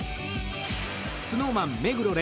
ＳｎｏｗＭａｎ目黒蓮